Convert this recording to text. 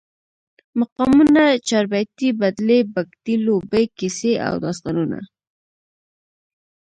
مقامونه، چاربیتې، بدلې، بګتی، لوبې، کیسې او داستانونه